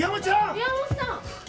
宮本さん